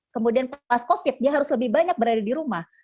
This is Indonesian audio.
kemudian pas covid dia harus lebih banyak berada di rumah